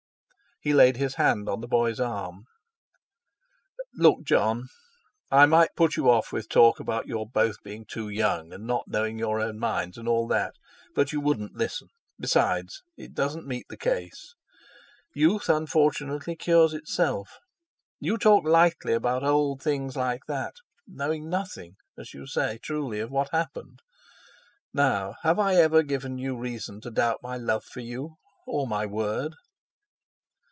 He laid his hand on the boy's arm. "Look, Jon! I might put you off with talk about your both being too young and not knowing your own minds, and all that, but you wouldn't listen, besides, it doesn't meet the case—Youth, unfortunately, cures itself. You talk lightly about 'old things like that,' knowing nothing—as you say truly—of what happened. Now, have I ever given you reason to doubt my love for you, or my word?"